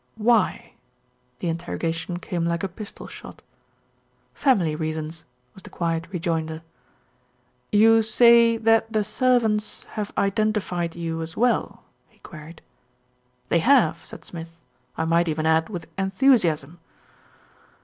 "Why?" The interrogation came like a pistol shot. "Family reasons," was the quiet rejoinder. "You say that the servants have identified you as well?" he queried. "They have," said Smith, "I might even add with enthusiasm."